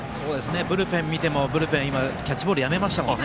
ブルペン見てもブルペン、キャッチボールをやめましたもんね。